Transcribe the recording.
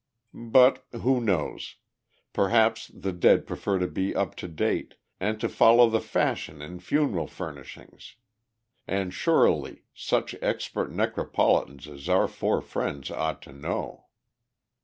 But who knows? perhaps the dead prefer to be up to date, and to follow the fashion in funeral furnishings; and surely such expert necropolitans as our four friends ought to know.